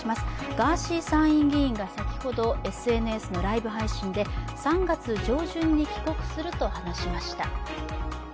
ガーシー参院議員が、先ほどＳＮＳのライブ配信で３月上旬に帰国すると話しました。